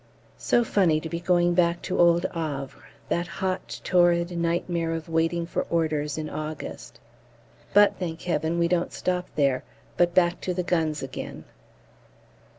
So funny to be going back to old Havre, that hot torrid nightmare of Waiting for Orders in August. But, thank Heaven, we don't stop there, but back to the guns again.